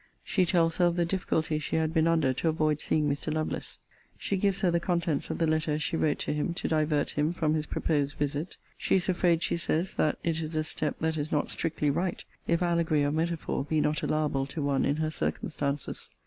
She tells her of the difficulties she had been under to avoid seeing Mr. Lovelace. She gives her the contents of the letter she wrote to him to divert him from his proposed visit: she is afraid, she says, that it is a step that is not strictly right, if allegory or metaphor be not allowable to one in her circumstances.